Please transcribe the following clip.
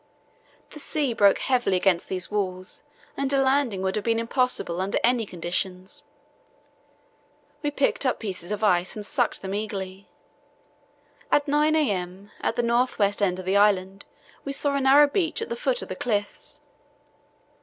The sea broke heavily against these walls and a landing would have been impossible under any conditions. We picked up pieces of ice and sucked them eagerly. At 9 a.m. at the north west end of the island we saw a narrow beach at the foot of the cliffs.